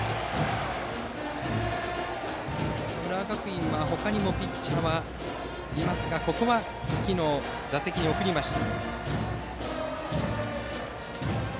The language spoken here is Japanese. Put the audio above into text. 浦和学院は他にもピッチャーがいますがここは月野を打席に送りました。